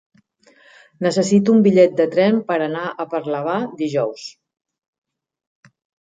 Necessito un bitllet de tren per anar a Parlavà dijous.